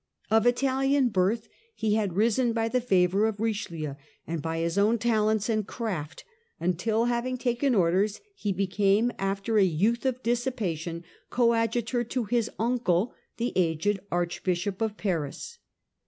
Of Italian birth, he had risen by the favour of Richelieu and by his own talents and craft, until, having taken Orders, he became, after a youth of dissipation, coadjutor to his uncle the aged Archbishop of Paris.